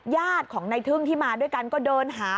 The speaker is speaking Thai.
ญาติของในทึ่งที่มาด้วยกันก็เดินหา